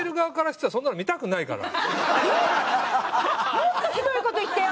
もっとひどい事言ったよ！